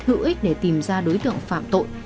hữu ích để tìm ra đối tượng phạm tội